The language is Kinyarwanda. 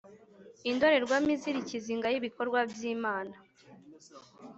indorerwamo izira ikizinga y’ibikorwa by’Imana,